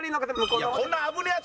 こんな危ねえやつ